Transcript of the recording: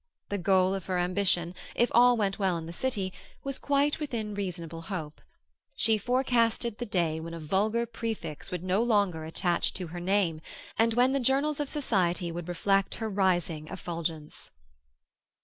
The goal of her ambition, if all went well in the City, was quite within reasonable hope. She foretasted the day when a vulgar prefix would no longer attach to her name, and when the journals of society would reflect her rising effulgence.